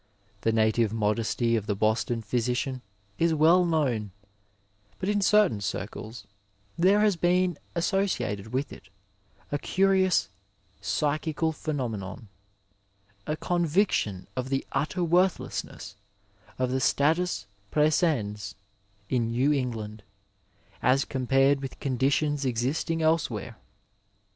The native modesty of the Boston physician is well known, but in certain circles there has been associated with it a curious psychical phenomenon, a conviction of the utter worthlessness of the staius prcBsens in New England, as compared with conditions existing dsewhere.